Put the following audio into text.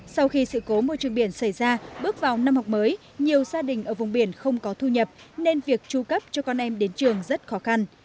sau khi sự cố môi trường biển xảy ra bước vào năm học mới nhiều gia đình ở vùng biển không có thu nhập nên việc tru cấp cho con em đến trường rất khó khăn